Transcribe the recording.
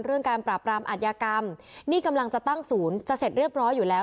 การปราบรามอัธยากรรมนี่กำลังจะตั้งศูนย์จะเสร็จเรียบร้อยอยู่แล้ว